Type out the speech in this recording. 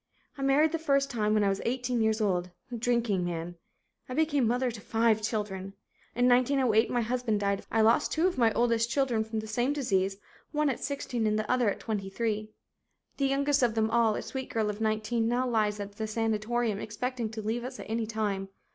I married the first time when I was eighteen years old, a drinking man. I became mother to five children. In 1908 my husband died of consumption. I lost two of my oldest children from the same disease, one at 16 and the other at 23. The youngest of them all, a sweet girl of nineteen, now lies at sanatorium expecting to leave us at any time.